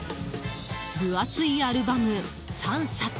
分厚いアルバム３冊。